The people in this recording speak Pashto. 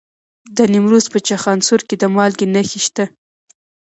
د نیمروز په چخانسور کې د مالګې نښې شته.